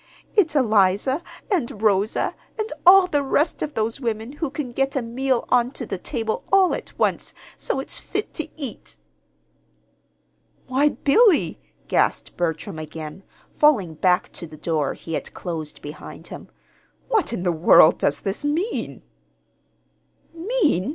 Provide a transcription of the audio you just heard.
It's Eliza and Rosa, and all the rest of those women who can get a meal on to the table all at once, so it's fit to eat!" "Why, Billy!" gasped Bertram again, falling back to the door he had closed behind him. "What in the world does this mean?" "Mean?